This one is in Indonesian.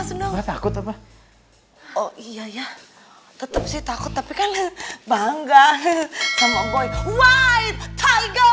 seneng banget takut oh iya ya tetap sih takut tapi kan bangga sama gue white tiger